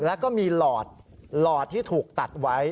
แล้วก็มีหลอดหลอดที่ถูกตัดไว้